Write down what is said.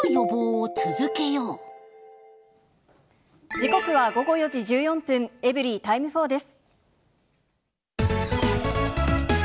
時刻は午後４時１４分、エブリィタイム４です。